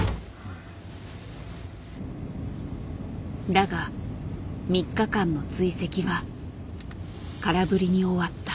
だが３日間の追跡は空振りに終わった。